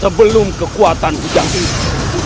sebelum kekuatan kujang ini